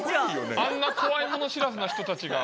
あんな怖いもの知らずな人たちが。